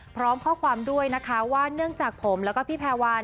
พร้อมข้อความด้วยนะคะว่าเนื่องจากผมแล้วก็พี่แพรวาน